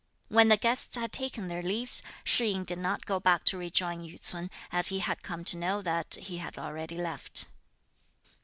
When the guests had taken their leave, Shih yin did not go back to rejoin Yü ts'un, as he had come to know that he had already left.